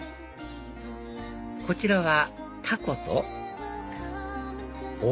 こちらはタコとお！